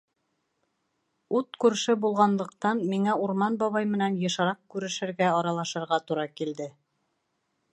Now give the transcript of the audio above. Ут күрше булғанлыҡтан, миңә Урман бабай менән йышыраҡ күрешергә-аралашырға тура килде.